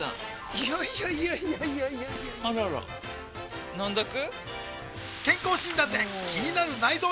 いやいやいやいやあらら飲んどく？